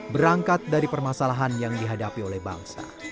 berangkat dari permasalahan yang dihadapi oleh bangsa